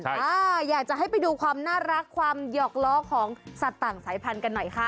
อยากจะให้ไปดูความน่ารักความหยอกล้อของสัตว์ต่างสายพันธุ์กันหน่อยค่ะ